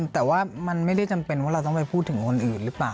แต่ว่ามันไม่ได้จำเป็นว่าเราต้องไปพูดถึงคนอื่นหรือเปล่า